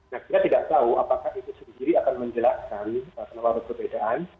nah kita tidak tahu apakah itu sendiri akan menjelaskan kenapa ada perbedaan